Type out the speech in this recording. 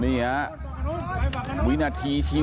เนี่ยวินาทีว่าใช่ค่ะค่ะ